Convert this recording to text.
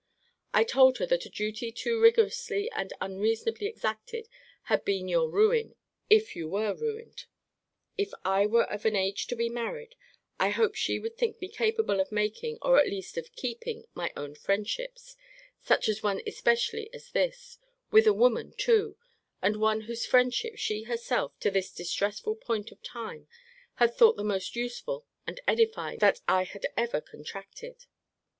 I told her that a duty too rigorously and unreasonably exacted had been your ruin, if you were ruined. If I were of age to be married, I hope she would think me capable of making, or at least of keeping, my own friendships; such a one especially as this, with a woman too, and one whose friendship she herself, till this distressful point of time, had thought the most useful and edifying that I had ever contracted.